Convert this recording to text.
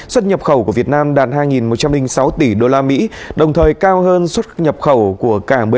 xuất nhập khẩu của việt nam đạt hai một trăm linh sáu tỷ usd đồng thời cao hơn xuất nhập khẩu của cả một mươi năm